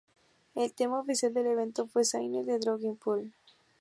El tema oficial del evento fue "Sinner" de Drowning Pool.